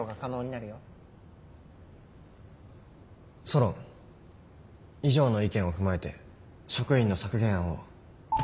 ソロン以上の意見を踏まえて職員の削減案を。